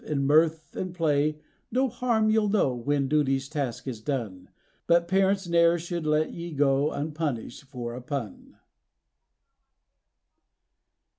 In mirth and play no harm you'll know when duty's task is done; But parents ne'er should let ye go un_pun_ished for a PUN.